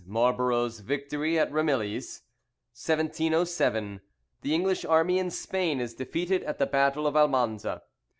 Marlborough's victory at Ramilies. 1707. The English army in Spain is defeated at the battle of Almanza.